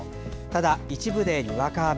ただ、一部でにわか雨。